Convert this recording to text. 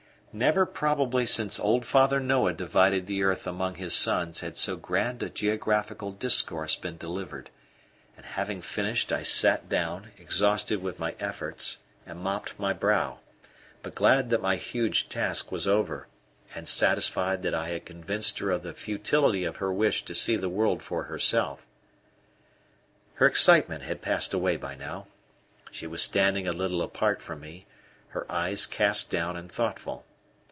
Never probably since old Father Noah divided the earth among his sons had so grand a geographical discourse been delivered; and having finished, I sat down, exhausted with my efforts, and mopped my brow, but glad that my huge task was over, and satisfied that I had convinced her of the futility of her wish to see the world for herself. Her excitement had passed away by now. She was standing a little apart from me, her eyes cast down and thoughtful.